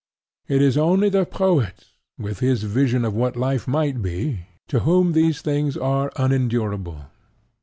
It is only the poet, with his vision of what life might be, to whom these things are unendurable.